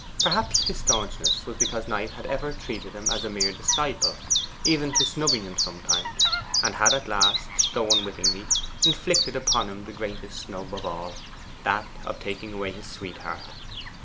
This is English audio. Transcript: Perhaps this staunchness was because Knight ever treated him as a mere disciple even to snubbing him sometimes; and had at last, though unwittingly, inflicted upon him the greatest snub of all, that of taking away his sweetheart.